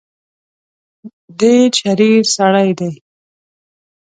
ډېر شریر سړی دی.